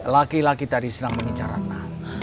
laki laki tadi senang mengincar ratnah